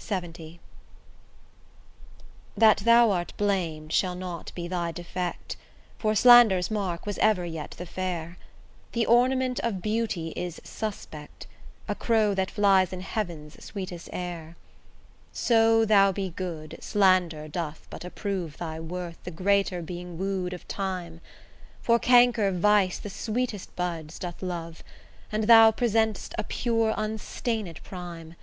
LXX That thou art blam'd shall not be thy defect, For slander's mark was ever yet the fair; The ornament of beauty is suspect, A crow that flies in heaven's sweetest air. So thou be good, slander doth but approve Thy worth the greater being woo'd of time; For canker vice the sweetest buds doth love, And thou present'st a pure unstained prime.